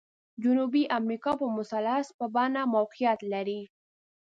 جنوبي امریکا په مثلث په بڼه موقعیت لري.